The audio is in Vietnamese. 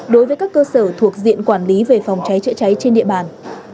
đối với các cơ sở thuộc diện quản lý về phòng cháy chữa cháy trên địa bàn